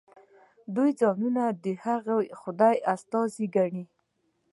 دوی ځانونه د هغه خدای استازي ګڼي.